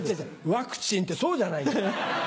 ワクチン！ってそうじゃないんだ。